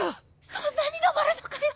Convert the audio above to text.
そんなに上るのかよ